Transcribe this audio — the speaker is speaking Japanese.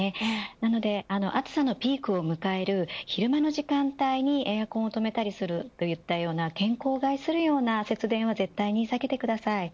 なので、暑さのピークを迎える昼間の時間帯にエアコンを止めたりするといったような健康を害するような節電は絶対に避けてください。